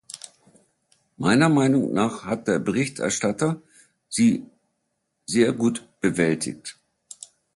Meiner Meinung nach hat der Berichterstatter sie sehr gut bewältigt.